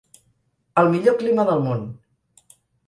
El millor clima del món!